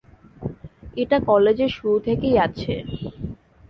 এটা কলেজের শুরু থেকেই আছে।